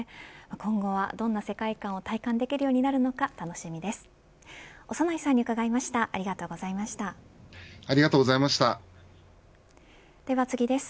今後はどんな世界観を体感できるのかを楽しみです。